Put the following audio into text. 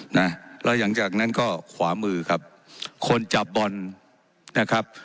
นะแล้วหลังจากนั้นก็ขวามือครับคนจับบอลนะครับ